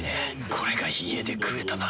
これが家で食えたなら。